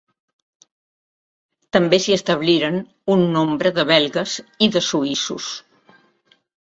També s'hi establiren un nombre de belgues i de suïssos.